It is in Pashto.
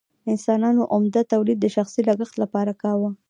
انسانانو عمده تولید د شخصي لګښت لپاره کاوه.